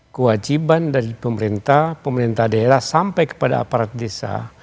kewajiban dari pemerintah pemerintah daerah sampai kepada aparat desa